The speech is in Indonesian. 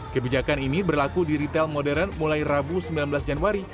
kebijakan ini berlaku di retail modern mulai rabu sembilan belas januari